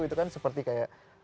itu kan seperti kayak